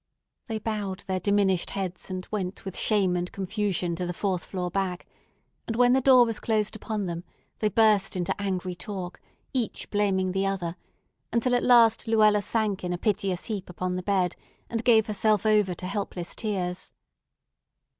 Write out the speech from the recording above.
They bowed their diminished heads, and went with shame and confusion to the fourth floor back; and, when the door was closed upon them, they burst into angry talk, each blaming the other, until at last Luella sank in a piteous heap upon the bed, and gave herself over to helpless tears.